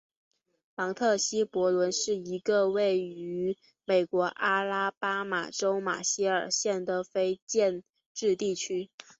芒特希伯伦是一个位于美国阿拉巴马州马歇尔县的非建制地区。